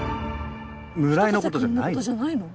村井のことじゃないの？